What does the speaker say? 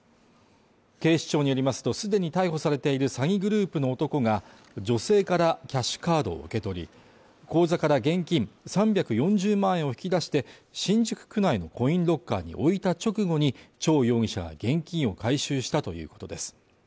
警視庁によりますと既に逮捕されている詐欺グループの男が、女性からキャッシュカードを受け取り口座から現金３４０万円を引き出して、新宿区内のコインロッカーに置いた直後に、張容疑者は現金を回収したということです。